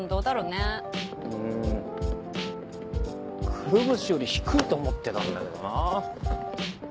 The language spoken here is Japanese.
くるぶしより低いと思ってたんだけどな。